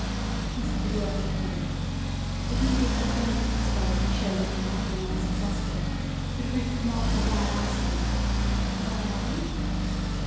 Mr. DeVere came in. It needed but a look at his face to show that he had been unsuccessful, but Ruth could not forbear asking: "Well, Daddy?"